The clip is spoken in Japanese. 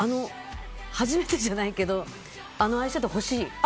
初めてじゃないけどあのアイシャドー欲しい。